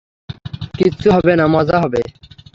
কিচ্ছু হবে না, খুব মজা হবে!